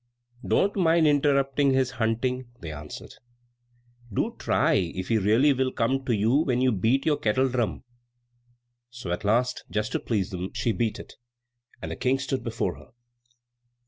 "Don't mind interrupting his hunting," they answered. "Do try if he really will come to you when you beat your kettle drum." So at last, just to please them, she beat it, and the King stood before her.